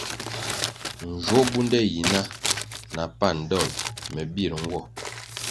Njwo bunde yi na na pan dol me bir nwo.